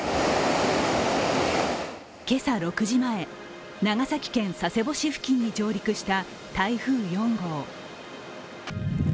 今朝６時前、長崎県佐世保市付近に上陸した台風４号。